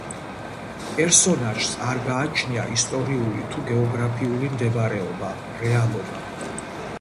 პერსონაჟს არ გააჩნია ისტორიული თუ გეოგრაფიული მდებარეობა, რეალობა.